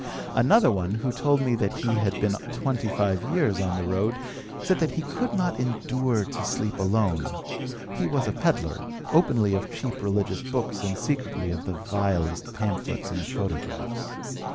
"Another one, who told me that he had been twenty five years on the road, said that he could not endure to sleep alone. (He was a pedlar, openly of cheap religious books and secretly of the vilest pamphlets and photographs).